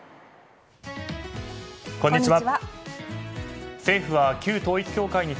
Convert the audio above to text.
こんにちは。